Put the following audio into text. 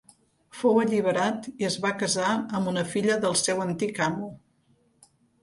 Fou alliberat i es va casar amb una filla del seu antic amo.